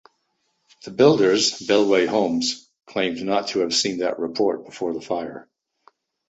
The builders Bellway Homes claimed not to have seen that report before the fire.